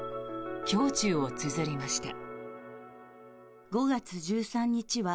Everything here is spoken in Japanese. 胸中をつづりました。